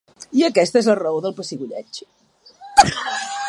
I aquesta és la raó del pessigolleig.